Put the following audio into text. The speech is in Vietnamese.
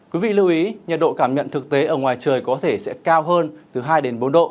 quý vị lưu ý nhiệt độ cảm nhận thực tế ở ngoài trời có thể sẽ cao hơn từ hai bốn độ